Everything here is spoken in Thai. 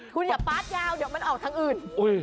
คุณอย่าปาร์ดยาวเดี๋ยวมันออกทางอื่น